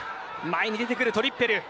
前に出てくるトリッペル。